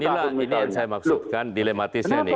ini lah ini yang saya maksudkan dilematisnya nih